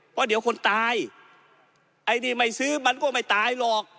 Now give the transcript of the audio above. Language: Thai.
เพราะเดี๋ยวคนตายไอ้ที่ไม่ซื้อมันก็ไม่ตายหรอก